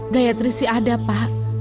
gayatri sih ada pak